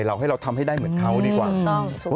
เราทำให้ได้เหมือนเขาดีกว่า